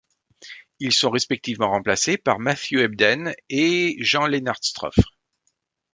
Ils sont respectivement remplacés par Matthew Ebden et Jan-Lennard Struff.